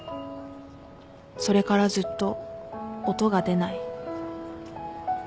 それからずっと音が出ない